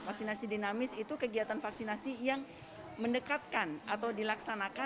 vaksinasi dinamis itu kegiatan vaksinasi yang mendekatkan